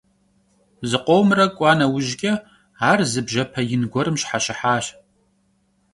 Zıkhomre k'ua neujç'e, ar zı bjepe yin guerım şheşıhaş.